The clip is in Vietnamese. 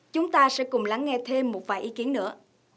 chúng ta sẽ cùng lắng nghe thêm một vài ý kiến nữa